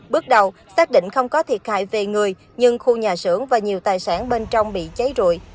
bước đầu xác định không có thiệt hại về người nhưng khu nhà xưởng và nhiều tài sản bên trong bị cháy rụi